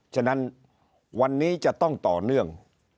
ฉะนั้นวันนี้จะต้องต่อเนื่อง